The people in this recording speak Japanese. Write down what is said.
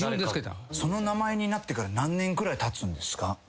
その名前になってから何年くらいたつんですか？